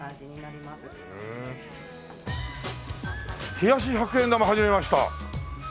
「冷やし百円玉はじめました」